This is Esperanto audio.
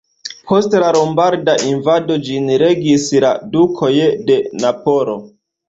Post la lombarda invado ĝin regis la dukoj de Napolo.